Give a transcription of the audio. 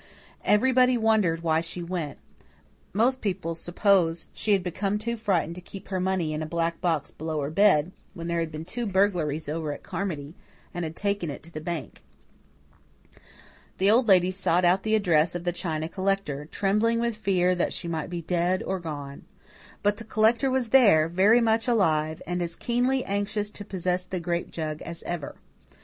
Everybody wondered why she went; most people supposed she had become too frightened to keep her money in a black box below her bed, when there had been two burglaries over at Carmody, and had taken it to the bank. The Old Lady sought out the address of the china collector, trembling with fear that she might be dead or gone. But the collector was there, very much alive, and as keenly anxious to possess the grape jug as ever.